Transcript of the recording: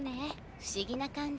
不思議な感じ。